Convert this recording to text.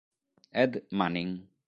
Ed Manning